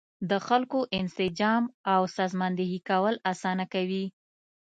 د خلکو انسجام او سازماندهي کول اسانه کوي.